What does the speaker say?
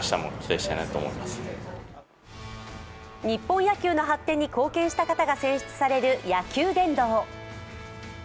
日本野球の発展に貢献した方が選出される野球殿堂。